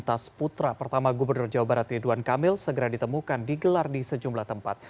emre elkan momtaz putra pertama gubernur jawa barat rituan kamil segera ditemukan digelar di sejumlah tempat